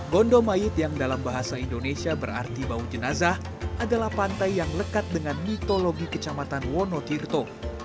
gondomayit yang dalam bahasa indonesia berarti bau jenazah adalah pantai yang lekat dengan mitologi kecamatan wono tirto